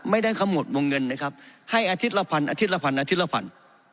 ไม่ได้ขมดวงเงินนะครับให้อาทิตย์ละพันอาทิตย์ละพันอาทิตย์ละพัน